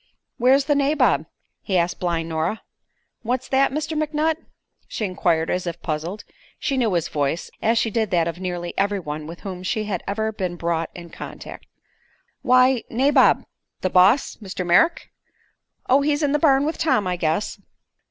"Where's the nabob?" he asked blind Nora. "What's that, Mr. McNutt?" she inquired, as if puzzled. She knew his voice, as she did that of nearly everyone with whom she had ever been brought in contact. "Why, the nabob; the boss; Mr. Merrick." "Oh. He's in the barn with Tom, I guess."